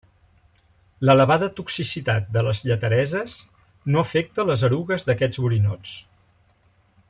L'elevada toxicitat de les lletereses no afecta les erugues d'aquests borinots.